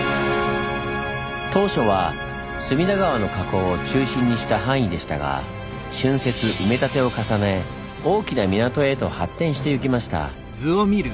当初は隅田川の河口を中心にした範囲でしたが浚渫埋め立てを重ね大きな港へと発展してゆきました。